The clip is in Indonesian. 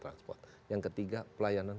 transport yang ketiga pelayanan